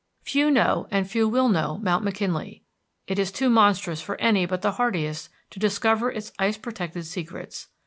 Few know and few will know Mount McKinley. It is too monstrous for any but the hardiest to discover its ice protected secrets.